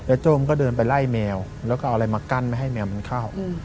โจ้มก็เดินไปไล่แมวแล้วก็เอาอะไรมากั้นไม่ให้แมวมันเข้า